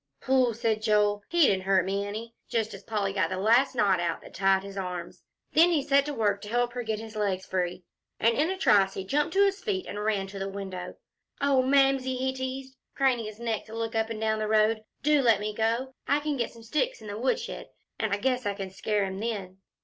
"Phooh!" said Joel, "he didn't hurt me any," just as Polly got the last knot out that tied his arms. Then he set to work to help her get his legs free. And in a trice he jumped to his feet and ran to the window. "Oh, Mamsie," he teased, craning his neck to look up and down the road, "do let me go. I can get some sticks in the woodshed, and I guess I can scare him then."